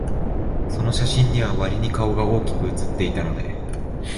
その写真には、わりに顔が大きく写っていたので、